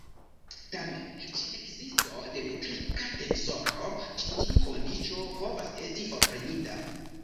Tamen ĉe ekzisto de metrika tensoro ĉi tiu kondiĉo povas esti forprenita.